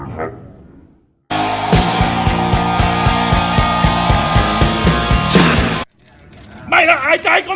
กฎหมายให้เป็นกฎหมายนะครับ